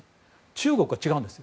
中国は違うんです。